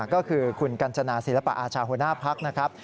ก็คือคุณกัญจนาศิลปะอาชาหัวหน้าพักนะครับ